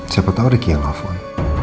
siapa tau ricky yang nelfon